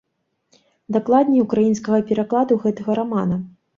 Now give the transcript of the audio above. Дакладней, украінскага перакладу гэтага рамана.